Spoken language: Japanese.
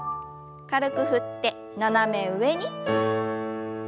軽く振って斜め上に。